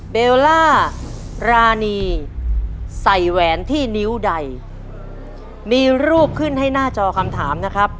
เบลล่ารานีใส่แหวนที่นิ้วใดมีรูปขึ้นให้หน้าจอคำถามนะครับ